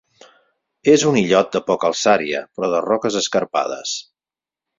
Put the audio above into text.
És un illot de poca alçària però de roques escarpades.